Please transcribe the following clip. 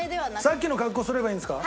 さっきの格好すればいいんですか。